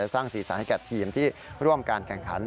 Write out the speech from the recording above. และสร้างศีรษะให้กับทีมที่ร่วมการแข่งขัน